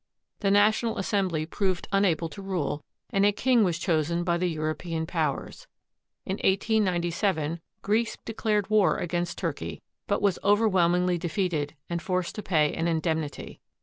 The National Assernbly proved unable to rule, and a king was chosen by the European Powers. In 1897, Greece dedared war against Turkey, but was overwhelmingly defeated and forced to pay an indemnity.